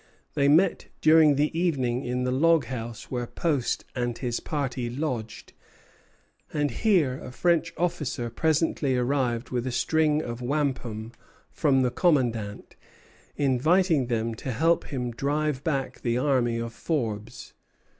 They met during the evening in the log house where Post and his party lodged; and here a French officer presently arrived with a string of wampum from the commandant, inviting them to help him drive back the army of Forbes.